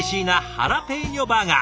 ハラペーニョバーガー